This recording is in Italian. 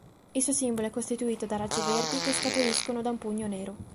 Il suo simbolo è costituito da raggi verdi che scaturiscono da un pugno nero.